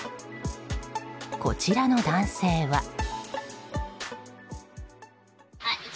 こちらの男性は。